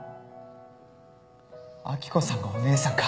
明子さんがお姉さんか。